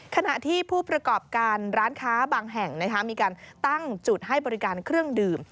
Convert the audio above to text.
ขณะที่ผู้ประกอบการร้านค้าบางแห่งมีการตั้งจุดให้บริการเครื่องดื่ม